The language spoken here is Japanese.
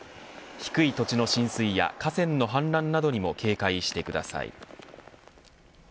低い土地の浸水や河川の氾濫などにも警戒してください。